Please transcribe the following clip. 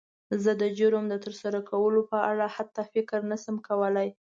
زه د جرم د تر سره کولو په اړه حتی فکر نه شم کولی.